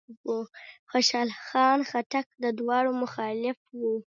خوشحال خان خټک د دواړو مخالف و.